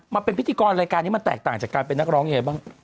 มาเป็นพิธีกรรายการนี้มันแตกต่างจากการเป็นนักร้องยังไงบ้าง